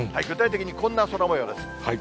具体的にこんな空もようです。